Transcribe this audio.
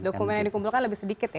dokumen yang dikumpulkan lebih sedikit ya